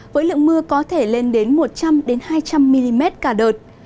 với lượng mưa có thể lên đến một trăm linh hai trăm linh mm cả đợt